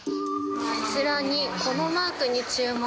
こちら、このマークに注目。